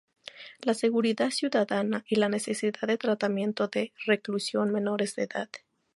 La seguridad ciudadana y la necesidad de tratamiento de reclusión menores de edad.